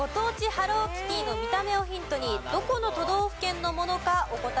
ハローキティの見た目をヒントにどこの都道府県のものかお答えください。